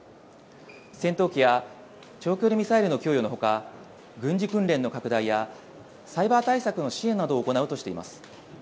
戦闘機や長距離ミサイルの供与の他軍事訓練の拡大やサイバー対策の支援などを行うとしています。